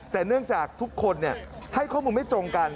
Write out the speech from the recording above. แต่เนื่องจากทุกคนให้ข้อมูลไม่ตรงกัน